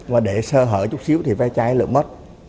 và để sơ hở chút xíu thì ve chai lựa mất